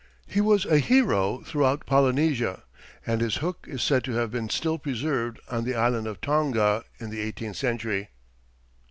He was a hero throughout Polynesia, and his hook is said to have been still preserved on the island of Tonga in the eighteenth century.